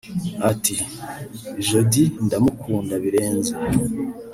Ati Jody ndamukunda birenze